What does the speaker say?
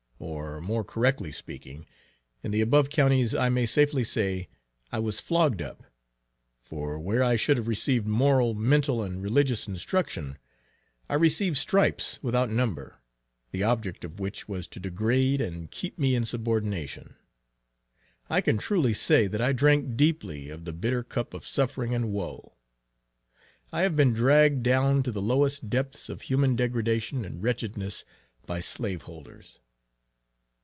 Or, more correctly speaking, in the above counties, I may safely say, I was flogged up; for where I should have received moral, mental, and religious instruction, I received stripes without number, the object of which was to degrade and keep me in subordination. I can truly say, that I drank deeply of the bitter cup of suffering and woe. I have been dragged down to the lowest depths of human degradation and wretchedness, by Slaveholders.